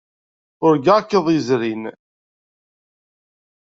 Urgaɣ-k iḍ yezrin.